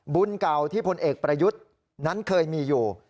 บุญเก่าที่พลเอกประยุทธ์นั้นเคยมีอยู่